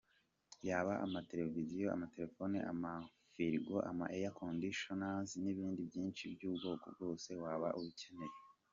Yaba, amatelevision, amatelefoni, amafiligo, ama Airconditioners, n’ibindi byinshi by’ubwoko bwose waba ukeneye.